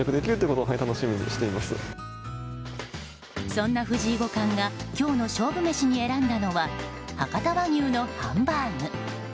そんな藤井五冠が今日の勝負メシに選んだのは博多和牛のハンバーグ。